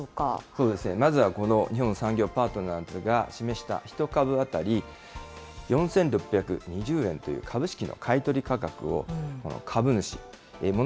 そうですね、まずはこの日本産業パートナーズが示した１株当たり４６２０円という株式の買い取り価格を、株主、もの